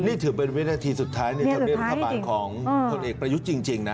นี่ถือเป็นวินาทีสุดท้ายในธรรมเนียบรัฐบาลของผลเอกประยุทธ์จริงนะ